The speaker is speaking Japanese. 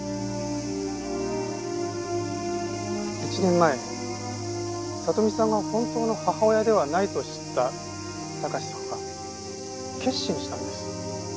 １年前里美さんは本当の母親ではないと知った貴史さんは決心したんです。